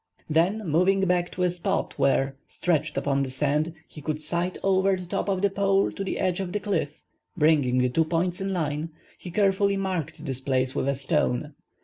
Then, moving back to a spot where, stretched upon the sand, he could sight over the top of the pole to the edge of the cliff, bringing the two points in line, he carefully marked this place with a stone.